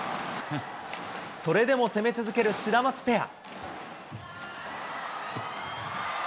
それでも攻め続けるシダマツペア。